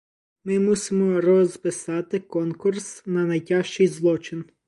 Ми мусимо розписати конкурс на найтяжчий злочин.